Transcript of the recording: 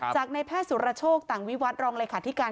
จากในแพทย์สุรโชคต่างวิวัตรรองเลขาธิการ